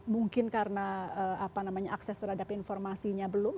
mungkin karena akses terhadap informasinya belum